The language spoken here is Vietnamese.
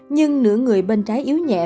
nhưng nửa người bên trái yếu nhẹ